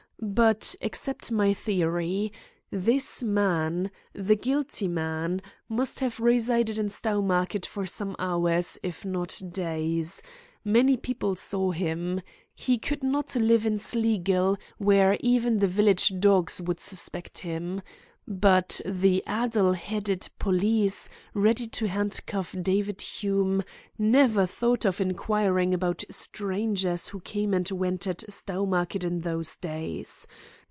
But accept my theory. This man, the guilty man, must have resided in Stowmarket for some hours, if not days. Many people saw him. He could not live in Sleagill, where even the village dogs would suspect him. But the addle headed police, ready to handcuff David Hume, never thought of inquiring about strangers who came and went at Stowmarket in those days.